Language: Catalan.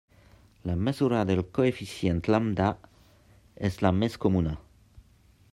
La mesura del coeficient Lambda és la més comuna.